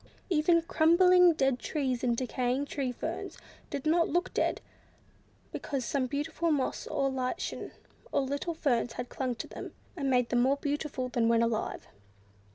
Even crumbling dead trees, and decaying tree ferns, did not look dead, because some beautiful moss, or lichen, or little ferns had clung to them, and made them more beautiful than when alive.